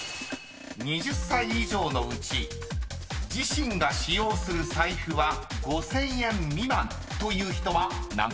［２０歳以上のうち自身が使用する財布は５，０００円未満という人は何％？］